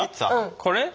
これ？